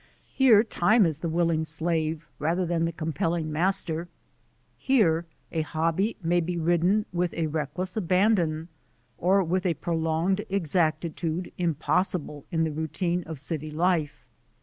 Here time is the willing slave rather than the compelling master; here a hobby may be ridden with a reckless aban don or with a prolonged exactitude impossible in the routine of city life.